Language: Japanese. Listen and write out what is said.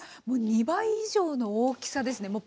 もう２倍以上の大きさですね。